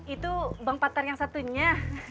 itu bank patar yang satunya